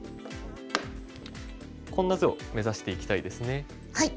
こんな図を目指していきたいですね。